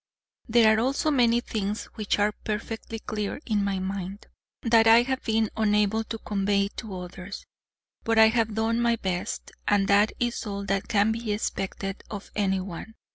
There are also many things which are perfectly clear in my mind, that I have been unable to convey to others, but I have done my best, and that is all that can be expected of any one.